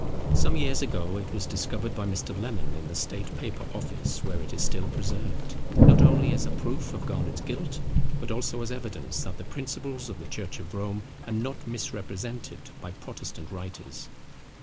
Some years ago it was discovered by Mr. Lemon in the State Paper Office, where it is still preserved, not only as a proof of Garnet's guilt, but also as evidence, that the principles of the church of Rome are not misrepresented by Protestant writers.